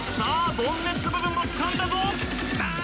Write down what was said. ボンネット部分もつかんだぞ！